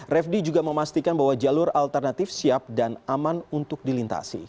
refdi juga memastikan bahwa jalur alternatif siap dan aman untuk dilintasi